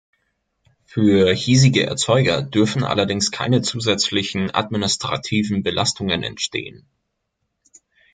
Für hiesige Erzeuger dürfen allerdings keine zusätzlichen administrativen Belastungen entstehen.